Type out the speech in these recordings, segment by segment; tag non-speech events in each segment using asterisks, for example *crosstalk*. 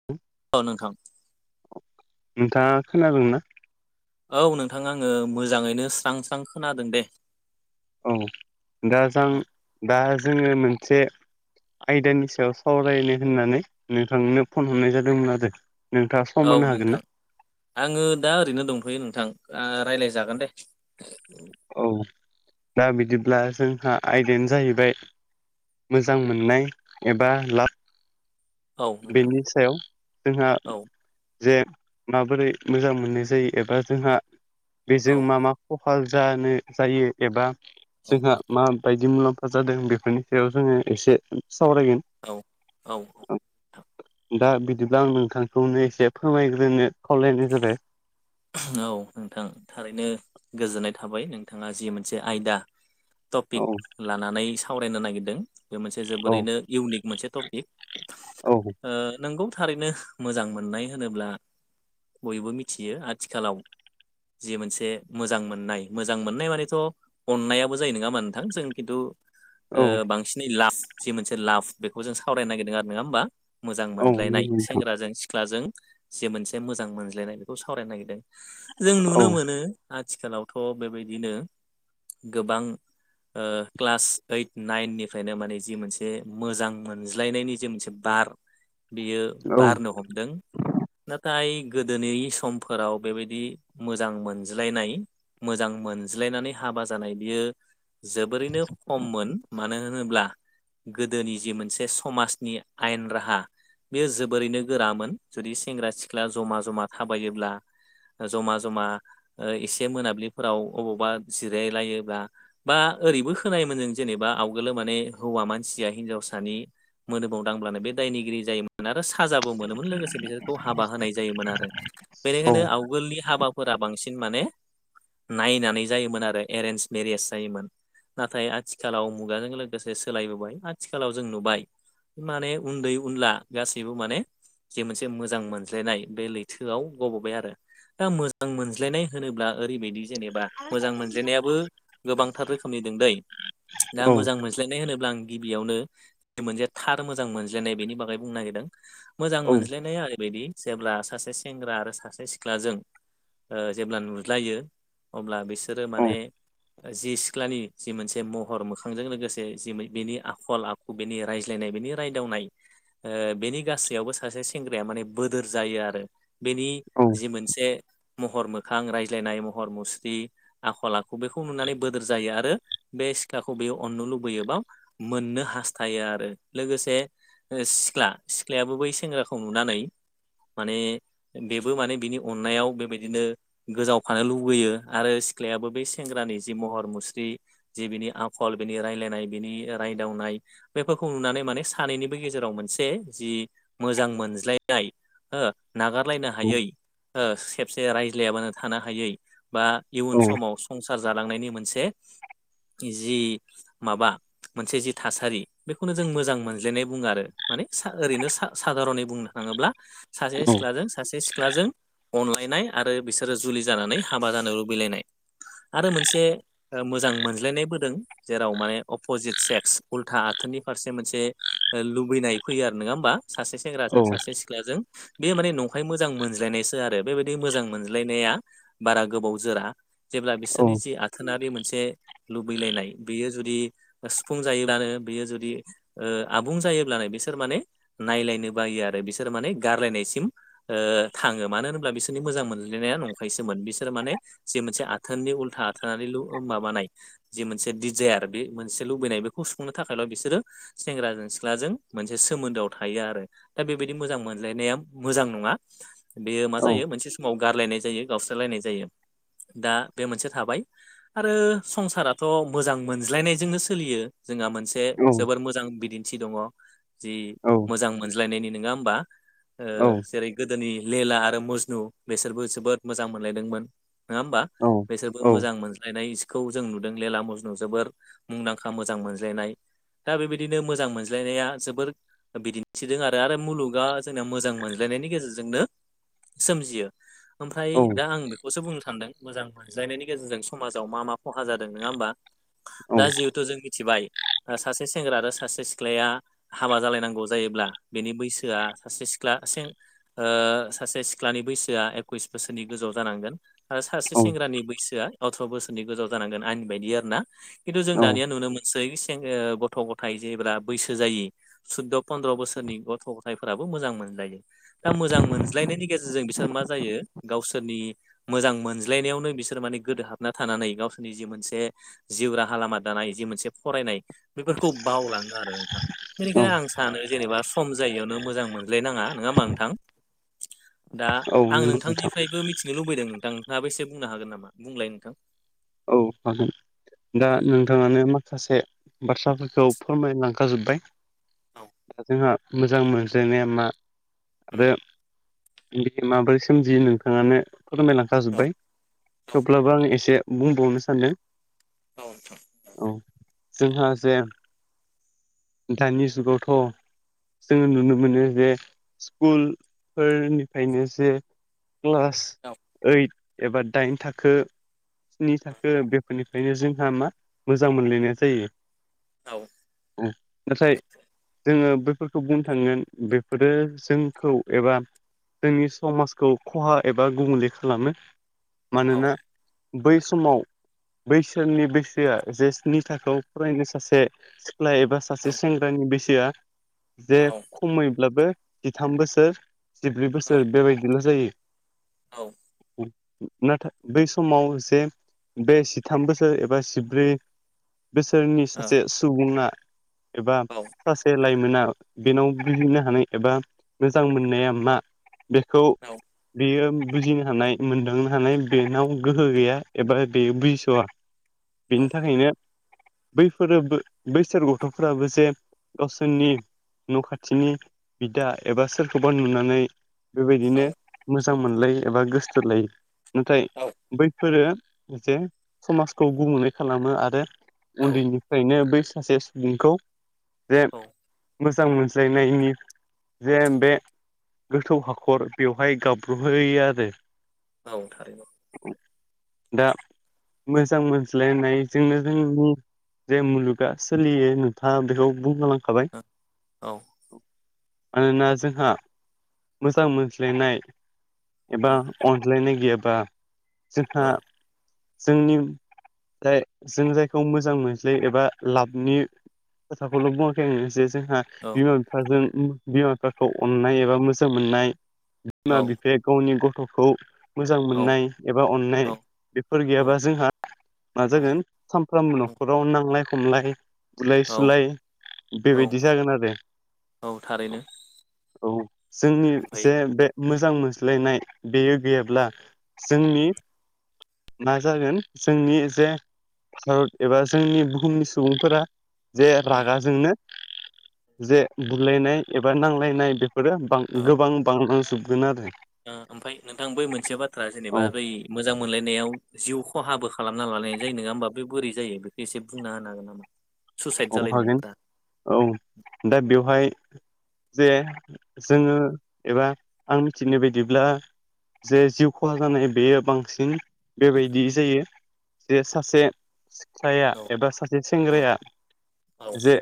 *unintelligible* अ नोंथां नोंथाङा खोनादोंना? औ नोंथां आङो मोजाङैनो स्रां स्रां खोनादों दे। औ दा जां दा जोङो मोनसे आयदानि सायाव सावरायनो होननानै नोंथांनो फन हरनाय जादोंमोन आरो। नोंथाङा सम औ होनो हागोन ना नोंथां। आङो दा ओरैनो दंथ'यो नोंथां ओ रायलायजागोन दे। औ दा बिदिब्ला जोंहा आयदायानो जाहैबाय मोजां मोननाय एबा लाब। औ नोंथां बेनि सायाव जोंहा औ जे माबोरै मोजां मोननाय जायो एबा जोंहा औ बेजों मा मा कफालल जानो जायो एबा औ जोंहा मा बायदि मुलाम्फा जादों बेफोरनि सायाव जोङो एसे सावरायगोन औ औ दा बिदिब्ला आं नोंथांखौनो एसे फोरमायग्रोनो खावलायनाय जाबाय औ नोंथां थारैनो गोजोननाय थाबाय नोंथांआ जि मोनसे आयदा औ टपिक लानानै सावरायनो नागिरदों बेयो मोनसे औ जोबोरैनो इउनिक मोनसे टपिक औ ओ नोंगौ थारैनो मोजां मोननाय होनोब्ला बयबो मिथियो आथिखालाव जि मोनसे मोजां मोननाय मोजां मोननाय मानिथ' अननायाबो जायो नङा होमबा नोंथां जों खिन्थु औ ओ बांसिनै लाफ जि मोनसे लाबफ बेखौ जों सावरायनो नागिरदों आरो नङा होमबा मोजां औ नंगौ मोनज्लायनाय नोंथां सेंग्राजों सिख्लाजों जे मोनसे मोजां मोनज्लायनाय बेखौ सावरायनो नागिरदों ओ जों औ नुनो मोनो आथिखालावथ' बेबायदिनो गोबां ओ क्लास ओइट नाइननिफ्रायनो माने जि मोनसे मोजां मोनज्लायनायनि जि मोनसे बार बियो औ बारनो हमदों नाथाय गोदोनि समफो फोराव बेबायदि मोजां मोनज्लायनाय मोजां मोनज्लायनानै हाबा जानाय बियो जोबोरैनो खममोन मानो होनोब्ला गोदोनि जि मोनसे समाजनि आयेन राहा बेयो जोबोरैनो गोरामोन जुदि सेंग्रा सिख्ला ज'मा ज'मा थाबायोब्ला ओ ज'मा ज'मा एसे मोनाबिलिफोराव अबावबा जिरायलायोब्ला बा ओरैबो खोनायोमोन जों जेनोबा आवगोलो माने हौवा मानसिआ हिनजावसानि मोदोमाव दांब्लानो बे दायनिगिरि जायोमोन आरो साजाब बो मोनोमोन लोगोसे बिसोरखौ हाबा होनाय जायोमोन आरो औ बेनिखायनो आवोलनि हाबा फोरा बांसिन माने नायनानै जायोमोन आरो एरेन्ज मेरेज जायोमोन नाथाय आथिखालाव मुगाजों लोगोसे सोलायबोबाय आथिखालाव जों नुबाय माने उन्दै उनला गासैबो माने जि मोनसे मोजां मोनज्लायनाय बे लैथोआव गब'बाय आरो दा मोजां मोनज्लायनाय होनोब्ला ओरैबादि जेनोबा मोजां मोनज्लायनायाबो गोबांथार रोखोमनि दै दा औ मोजां मोनज्लायनाय होनोब्ला आं गिबिआवनो मोनसे थार मोजां मोनज्लायनाय बेनि बागै बुंनो नागिरदों मोजां औ मोनज्लायनाया ओरैबायदि जेब्ला सासे सेंग्रा आरो सासे सिख्लाजों ओ जेब्ला नुज्लायो अब्ला बिसोरो माने जि सिख्लानि जि मोनसे महर मोखांजों लोगोसे जि बिनि आखल आ बेनि रायज्लायनाय बेनि रायदावनाय ओ बेनि गासैआवबो सासे सेंग्राया माने बोदोर जायो आरो बेनि औ जि मोनसे महर मोखां रायज्लायनाय महर मुस्रि आखल आखु बेखौ नुनानै बोदोर जायो आरो बे सिख्लाखौ बेयो अननो लुबैयो बा मोननो हास्थायो आरो लोगोसे ओ सिख्ला सिख्लायाबो बै सेंग्राखौ नुनानै माने बेबो माने बिनि अननायाव बेबायदिनो गोजावफानो लुुबैयो आरो सिख्लायाबो बे सेंग्रानि जि महर मुस्रि जि बिनि आखल बिनि रायलायनाय बिनि रायदावनाय बेफोरखौ नुनानै माने सानैनिबो गेजेराव मोनसे जि मोजां मोनज्लायनाय ओ नागार लाय हायै ओ खेबसे रायलायाबानो थानो हायै‌ बा इयुन समाव संसा संसार जालांनायनि मोनसे जि माबा मोनसे जि थासारि बेखौनो जों मोजां मोनज्लायनाय बुङो आरो माने सा ओरैनो सा साधारनै बुंनो थाङोब्ला सासे सिख्लाजों सासे सिख्लाजों अनलायनाय आरो बिसोरो जुलि जानानै हाबा जानो लुबैलायना आरो मोनसे मोजां मोनज्लायनायबोदों जेराव माने अपजिट सेक्स उल्था आथोननि फारसे मोनसे लुबैनाय फैयो आरो नङा होमबा सासे सेंग्राजों औ सासे सिख्लाजों बे माने नंखाय मोन मोजां मोनज्लायनायसो आरो बेबायदि मोजां मोनज्लायनाया बारा गोबाव जोरा जेब्ला बिसोरनि जि आथोनारि मोनसे लुबैलायनाय बेयो जुदि सुफुं जायोब्लानो बेयो जुदि आबुं जायोब्लानो बिसोर माने नायलायनो बायो आरो बिसोर माने गारलायनायसिम थाङो मानो होनोब्ला बिसोरनि मोजां मोनलायनाया नंखायसोमोन बिसोरो माने मोनसे आथोननि उल्था आथोनारि लु माबानाय जि मोनसे दिडिजायार बे मोनसे लुबैनाय बेखौ सुफुंनो थाखायल' बिसोरो सेंग्राजों सिख्लाजों मोनसे सोमोन्दोआव थायो आरो। दा बेबादि मोजां मोनलायनाया मोजां नङा। बेयो मा जायो मोनसे समाव गारलायनाय जायो गावस्राय लायनाय जायो दा बे मोनसे थाबाय। आरो संसाराथव मोजां मोनज्लायनायजोंनो सोलियो जोंहा मोनसे से जोबोर मोजां बिदिन्थि दङ। जि औ मोजां मोनज्लायनायनि नङा होमबा जेरै गोदोनि लेला आरो मजनु बिसोरबो जोबोद मोजां मोनलायदोंमोन नङा होमबा? बेसोरबो मोजां मोनज्लायनायखौ जों नुदों लेलाम मजनु जोबोर मुंदांखा मोजां मोनज्लायनाय। दा बेबादिनो मोजां मोनज्लायनाया जोबोर बिदिन्थिदों आरो आरो मुलुगा जोंनाया मोजां मोनज्लायनायनि गेजेरजोंनो सोमजियो ओमफ्राय दा आं बेखौसो बुंनो सान्दों मोजां मोन ज्लायनायनि गेजेरजों समाजाव मा मा खहा जादों नङा होमबा दा जिहेथु जों मिथिबाय सासे सेंग्रा आरो सासे सिख्लाया हाबा जालायनांगौ जायोब्ला बेनि बैसोआ सासे सिख्ला ओ सासे सिख्लानि बैसोआ एकुइस बोसोरनि गोजौ जानांगोन। आरो सासे सेंग्रानि बैसोआ अथ्र बोसोरनि गोजाव जानांगोन आंनि बायदि आरो ना खिन्थु जों नंगौ दानिया नुनो मोनसै गथ-गथाय जेब्ला बैसो जायि सुद्द पन्द्र बोसोरनि गथ' गथायफोराबो मोजां मोनजायो। दा मोजां मोनज्लायनायनि गेजेरजों बिसोर मा जायो गावसोर मोजां मोनज्लायनायावनो बिसोर माने गोदो हाबना थानानै गावसोरनि जि मोनसे जिउ राहा लामा दानाय जि मोनसे फरायनाय बेफोरखौ बावलाङो आरो नोंथां। बेनिखायनो आं सानो जेनेबा सम जायैयावनो मोजां मोनज्लायनाङा नङा मानो। दा आं नोंथां नोंथांनिफ्रायबो मि थिनो लुबैदों नोंथां नोंथाङाबो एसे बुंनो होनना नामा बुंलाय नोंथां। फादो दा नोंथाङानो माखासे बाथ्राफोरखौ फोरमायलांखाबा जोब्बाय औ दा जोंहा मोजां मोनज्लानाय मा उम आरो। बे माबोरै सोमजियो नोंथाङानो फोरमायलांखा औ जोबबाय औ थेवब्लाबो आं एसे। बुंबावनो सान्दों? औ नोंथां। औ जोंहा जे दानि जुगावथ' जोङो नुनो मोनो जे स्कुल फोरनिफ्रायनो जे क्लास ओइट एबा दाइन थाखो, स्नि थाखो बेफोरनिफ्रायनो जोंहा मा मोजां मोनलायनाय जायो। औ। *unintelligible* जोङो बैफोरखौ बुंनो थांगोन बेफोरो जोंखौ एबा। जोंनि समाजखौ खहा एबा गुबुंले खालामो। औ मानोना बै समाव बैसोरनि बैसोआ जे स्नि थाखोआव फरायनो सासे सिख्ला एबा सासे सेंग्रानि बैसोआ जे औ खैब्लाबो जिथाम बोसोर जिब्रै बोसोर बेबायदिल' जायो। औ नाथाय बै समाव जे बे जिथाम बोसोर एबा जिब्रै बोसोरनि औ सासे सुबुङा एबा सासे लाइमोना बेनाव बुजिनो हानाय एबा मोजां मोननाया मा बेखौ औ बेयो बुजिनो हानाय मोनदांनो हानाय बेनाव गोहो गैया एबा बे बुजस'आ बेनि थाखायनो बैफोरो बैसोर गथ'फोराबो जे गावसोरनि न' खाथिनि बिदा एबा सोरखौबा नुनानै बेबायदिनो मोजां मोनलायो एबा गोसोथोलायो नाथाय बैफोरो जे समाजखौ गुबुंले खालामो आरो उन्दैनिफ्रायनो बै सासे नोंखौ जे औ मोजां मोनज्लायनायनि जे बे गोथौ हाखर बेवहाय गाबब्र'होयो आरो। औ थारैनो *inaudible* दा मोजां मोनज्लायनायजोंनो जोंनि बुं जे मुलुगा सोलियो नोंथाङा बेखौ बुंलांखाबाय। औ औ मानोना जोंहा मोजां मोनज्लायनाय औ एबा औ अनज्लायनाय गैयाबा जोंहा जोंनि जाय जों जायखौ मोजां मोनज्लायो एबा लाबनि खोथाखौल' बुङाखै आङो जे जोंहा औ बिमा बिफाजों बिमा बिफाखौ अननाय एबा मोजां मोननाय औ बिमा बिफाया गावनि गथ'खौ मोजां मोननाय एबा अननाय बेफोर गैयाबा जोंहा मा जागोन सामफ्रामबो न'खराव नांलाय खमलाय बुलाय औ सुलाय औ बेबायदि जागोन आरो। औ थारैनो औ जोंनि ओमफ्राय जे औ बे मोजां मोनज्लायनाय बेयो गैयाब्ला जोंनि मा जागोन जोंनि जे भारत एबा जोंनि बुहुमनि सुबुंफोरा जे उम रागाजोंनो जे बुलायनाय एबा नांलायनाय बे फोरो बां ओ गोबां बांलांजोबगोन आरो। ओमफ्राय नोंथां बै मोनसे बाथ्रा औ जेनेबा बै मोजां मोनलायनायाव जिउ खहाबो खालामना लालायनाय जायो नङा होमबा बे बोरै जायो बेखौ एसे बुंना होनो हागोन नामा? *inaudible* औ हागोन जालायनायफ्रा औ दा बेवहाय जे जोङो एबा आं मिथिनाय बायदिब्ला जे जिउ खहा जानाय बेयो बांसिन बेबायदि जायो जे सासे सिख्लाया औ एबा सासे औ सेंग्राया औ जे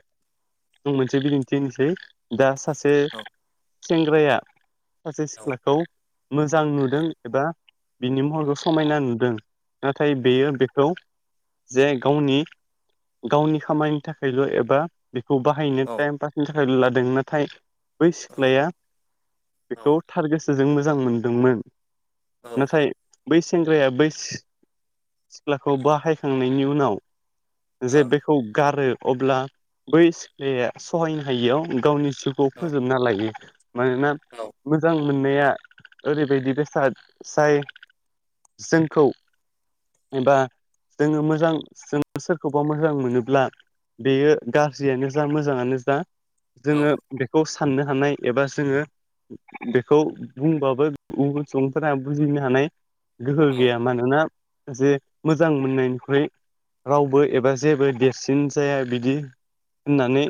जों मोनसे बिदिन्थि होनोसै दा सासे औ सेंग्राया सासे औ सिख्लाखौ मोजां नुदों एबा बिनि महरखौ समायना नुदों नाथाय बेयो बेखौ जे गावनि गावनि खामानि थाखायल' एबा बेखौ बाहायनो औ टाइम पास नि थाखाय लादों नाथाय बै सिख्लाया बेखौ थार गोसो गोसोजों मोजां मोनदोंमोन नाथाय बै सेंग्राया बै सिख्लाखौ बाहायखांनायनि उनाव जे बेखौ गारो अब्ला बै सिख्लाया सहायनो हायियाव गावनि बिसोरखौ फोजोबना लायो मानोना मोजां *unintelligible* मोननाया ओरैबायदि बेसाद जाय जोंखौ एबा जोङो मोजां जों सोरखौबा मोजां मोनोब्ला बेयो गाज्रियानो जा मोजाङानो जा जोङो बेखौ साननो हानाय एबा जोङो बेखौ बुंबाबो गुबुन सुबुंफोरा बुजिनो हानाय गोहो गैयामोन मानोना जे मोजां मोननायनिख्रुइ रावबो एबा जेबो देरसिन जाया बिदि होननानै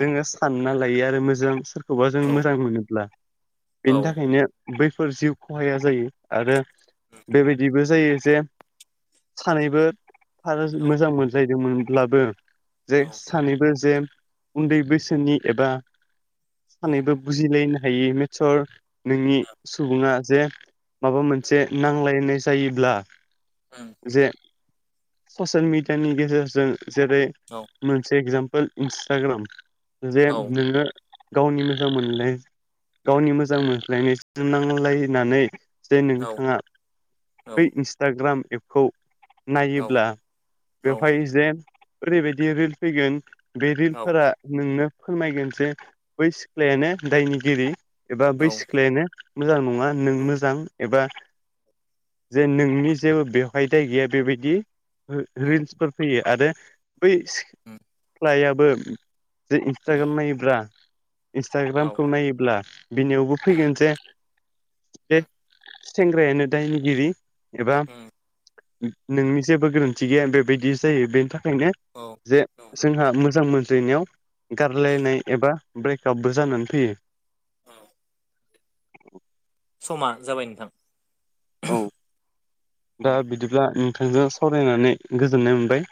जोङो सानना लायो आरो मोजां सोर *unintelligible* सोरखौबा जों मोजां मोनोब्ला बेनि थाखायनो बैफोर जिउ खहाया जायो आरो बेबायदिबो जायो जे सानैबो मोजां मोनजायो *unintelligible* मोनब्लाबो जे सानैबो जे उन्दै बैसोनि एबा सानैबो बुजिलायनो हायो मेतचर नोंनि सुबुङा जे माबा मोनसे नांलायनाय जायोब्ला *inaudible* जे ससियेल मिडियानि गेजेरजों जेरै औ मोनसे एगजामपोल इन्सटाग्राम जे नोङो गावनि मोजां मोनाय गावनि मोजां मोनज्लायनाय जों नांलायनानै जे औ नोंथाङा बै इन्सटाग्राम एपखौ नायोब्ला बेवहाय जे ओरैबायदि रिल फैगोन बे रिलफोरा नोंनो फोरमायगोन जे बै सिख्लायानो दायनिगिरि एबा बै सिख्लायानो मोजां नङा नों मोजां एबा जे नोंनि जेबो बेवहाय दाय गैया बेबायदि रिल्सफोर फैयो आरो बै सिख्लायाबो जे इन्सटाग्राम नायोब्ला इन्सटाग्रामखौ नायोब्ला बिनियावबो फैगोन जे बे सेंग्रायानो दायनिगिरि एबा नोंनि जेबो गोरोन्थि गैया बेबायदि जायो बेनि थाखायनो औ जे जोंहा मोजां मोनज्लायनायाव गारलायनाय एबा ब्रेकआपबो जानानै फैयो औ समा जाबाय नोंथां औ दा बिदिब्ला नोंथांजों सावरायनानै गोजोननाय मोनबाय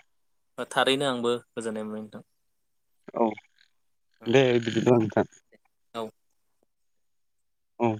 थारैनो आंबो गोजोननाय मोनबाय नोंथां औ दे बिदिब्ला नोंथां औ औ